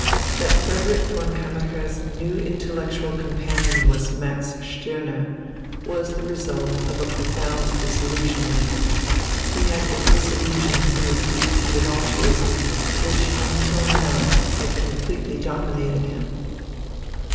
That Frederick von Kammacher's new intellectual companion was Max Stirner, was the result of a profound disillusionment. He had been disillusioned in his deep seated altruism, which until now had completely dominated him.